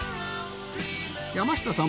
山下さん